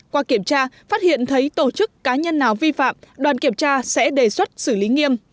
qua kiểm tra phát hiện thấy tổ chức cá nhân nào vi phạm đoàn kiểm tra sẽ đề xuất xử lý nghiêm